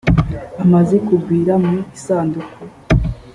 amaze kugwira mu isanduku